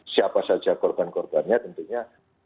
siapa saja korban korbannya tentunya